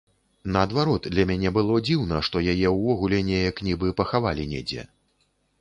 Наадварот, для мяне было дзіўна, што яе ўвогуле неяк нібы пахавалі недзе.